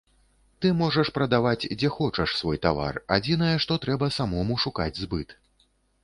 Ты можаш прадаваць, дзе хочаш, свой тавар, адзінае што трэба самому шукаць збыт.